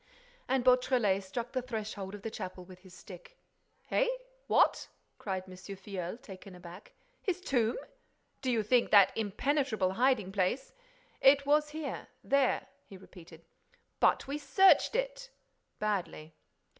And Beautrelet struck the threshold of the chapel with his stick. "Eh? What?" cried M. Filleul, taken aback. "His tomb?—Do you think that that impenetrable hiding place—" "It was here—there," he repeated. "But we searched it." "Badly."